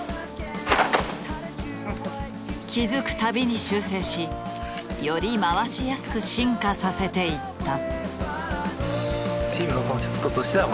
気付くたびに修正しより回しやすく進化させていった。